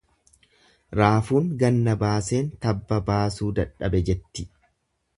Raafuun ganna baaseen tabba baasuu dadhabe jetti.